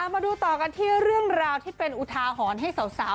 มาดูต่อกันที่เรื่องราวที่เป็นอุทาหรณ์ให้สาว